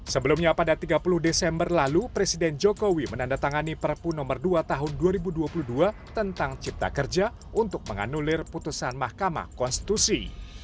sebelumnya pada tiga puluh desember lalu presiden jokowi menandatangani perpu nomor dua tahun dua ribu dua puluh dua tentang cipta kerja untuk menganulir putusan mahkamah konstitusi